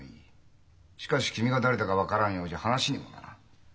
しかし君が誰だか分からんようじゃ話にもならん。